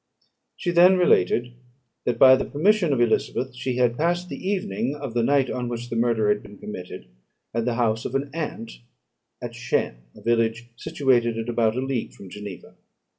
She then related that, by the permission of Elizabeth, she had passed the evening of the night on which the murder had been committed at the house of an aunt at Chêne, a village situated at about a league from Geneva.